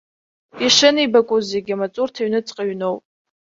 Ишынеибакәу зегьы амаҵурҭа аҩныҵҟа иҩноуп.